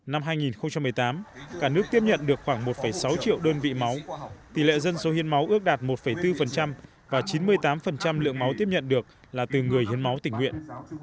năm hai nghìn một mươi tám cả nước tiếp nhận được khoảng một sáu triệu đơn vị máu tỷ lệ dân số hiến máu ước đạt một bốn và chín mươi tám lượng máu tiếp nhận được là từ người hiến máu tỉnh nguyện